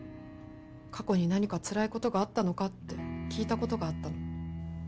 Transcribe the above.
過去に何かつらい事があったのか？って聞いた事があったの。